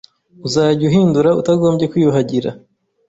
uzajya uhindura utagombye kwiyuhagira